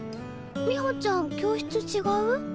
美穂ちゃん教室違う？